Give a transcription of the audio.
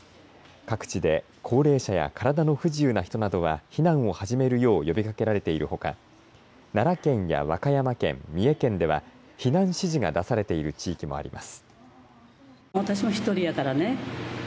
各地で高齢者や体の不自由な人などは避難を始めるよう呼びかけられているほか奈良県や和歌山県、三重県では避難指示が出されている地域もあります。